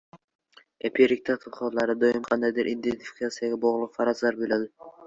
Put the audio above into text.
Empirik tadqiqotlarda, doim qandaydir identifikatsiyaga bog‘liq farazlar bo‘ladi.